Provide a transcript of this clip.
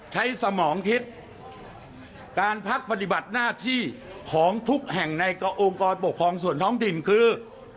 สมองคิดการพักปฏิบัติหน้าที่ของทุกแห่งในองค์กรปกครองส่วนท้องถิ่นคือ